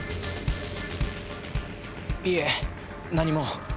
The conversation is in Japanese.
いえ何も。